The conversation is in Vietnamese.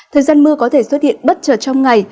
thời gian mưa có thể xuất hiện bất chợt trong ngày